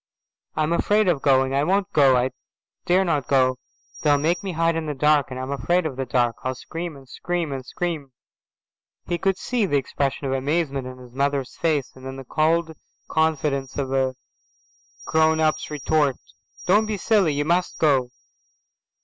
"I'm afraid of going. I won't go. I daren't go. They'll make me hide in the dark, and I'm afraid of the dark. I'll scream and scream and scream." He could see the expression of amazement on his mother's face, and then the cold confidence of a grown up's retort. "Don't be silly. You must go.